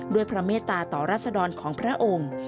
พระเมตตาต่อรัศดรของพระองค์